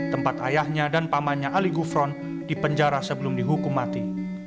tempat ayahnya dan pamannya ali gufron dipenjara sebelum dihukum mati